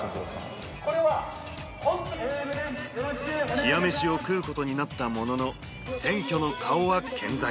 冷や飯を食うことになったものの選挙の顔は健在。